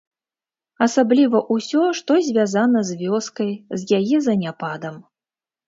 Асабліва ўсё, што звязана з вёскай, з яе заняпадам.